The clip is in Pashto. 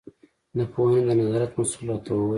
د پوهنې د نظارت مسوول راته وویل.